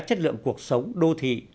chất lượng cuộc sống đô thị